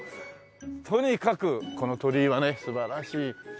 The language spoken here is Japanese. とにかくこの鳥居はね素晴らしいねっ。